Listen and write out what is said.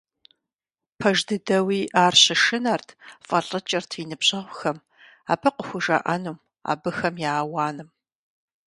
Пэж дыдэуи, ар щышынэрт, фӀэлӀыкӀырт и ныбжьэгъухэм, абы къыхужаӀэнум, абыхэм я ауаным.